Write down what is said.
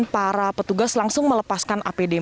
para petugas langsung melepaskan